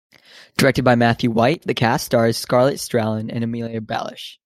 Directed by Matthew White, the cast stars Scarlett Strallen as Amalia Balish.